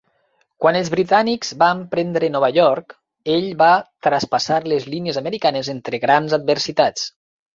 Quan els britànics van prendre Nova York ell va traspassar les línies americanes entre grans adversitats.